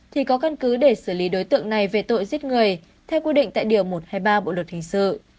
thì có căn cứ để xử lý đối tượng này về tội giết người theo quy định tại điều một trăm hai mươi ba bộ luật hình sự